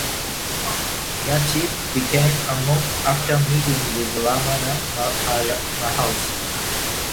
Yati became a monk after meeting with Ramana Maharshi.